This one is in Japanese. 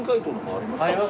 あります。